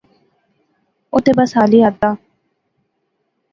او تہ بس خالی ہتھ دا